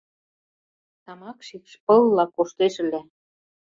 Тамак шикш пылла коштеш ыле.